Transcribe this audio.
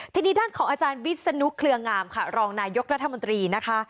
ทีนี้ด้านของอาจารย์วิศนุเครืองามค่ะรองนายกรัฐมนตรีนะคะ